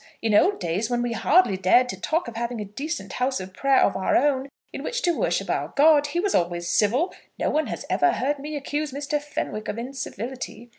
In old days when we hardly dared to talk of having a decent house of prayer of our own in which to worship our God, he was always civil. No one has ever heard me accuse Mr. Fenwick of incivility.